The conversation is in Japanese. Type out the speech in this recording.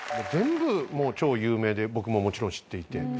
全部超有名で僕ももちろん知っていて。